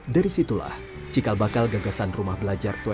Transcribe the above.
dari situlah cikal bakal gagasan rumah belajar